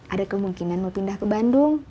ada kemungkinan mau pindah ke bandung